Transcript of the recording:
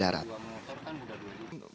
dan angin darat